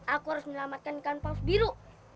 aku harus menyelamatkan ikan paus biru